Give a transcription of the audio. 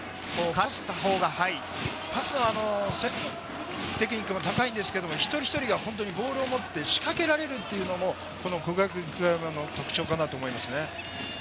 パスの精度、テクニックは高いんですけど、一人一人がボールを持って仕掛けられるところも國學院久我山の特徴かと思いますね。